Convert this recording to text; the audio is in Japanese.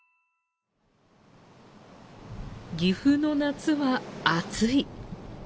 岐阜の夏は、暑い。